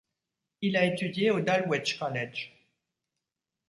Il a étudié au Dulwich College.